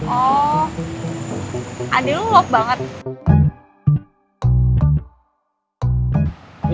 oh adik lo sayang banget